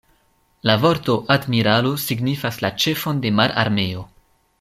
La vorto "admiralo" signifas la ĉefon de mararmeo.